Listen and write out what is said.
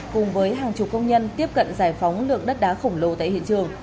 cùng với hàng chục công nhân tiếp cận giải phóng lượng đất đá khổng lồ tại hiện trường